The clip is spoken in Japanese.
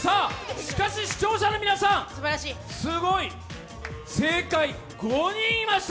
しかし、視聴者の皆さん、すごい、正解５人いました。